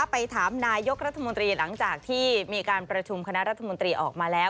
ไปถามนายกรัฐมนตรีหลังจากที่มีการประชุมคณะรัฐมนตรีออกมาแล้ว